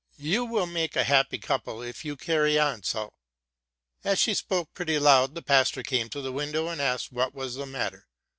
You will make a happy couple if you carry on so!'' As she spoke pretty loud, the pastor came to the window, and asked what was the matter.